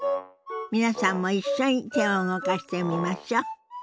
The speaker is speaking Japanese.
皆さんも一緒に手を動かしてみましょ。